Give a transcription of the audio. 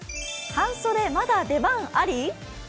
半袖まだ出番あり？